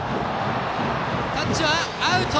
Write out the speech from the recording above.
タッチはアウト！